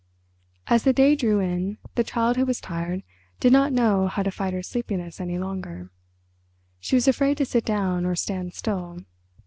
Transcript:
As the day drew in the Child Who Was Tired did not know how to fight her sleepiness any longer. She was afraid to sit down or stand still.